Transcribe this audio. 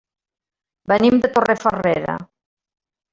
Venim de Torrefarrera.